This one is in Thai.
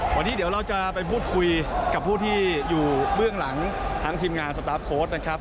วันนี้เดี๋ยวเราจะไปพูดคุยกับผู้ที่อยู่เบื้องหลังทั้งทีมงานสตาร์ฟโค้ดนะครับ